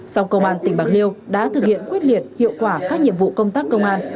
song công an tỉnh bạc liêu đã thực hiện quyết liệt hiệu quả các nhiệm vụ công tác công an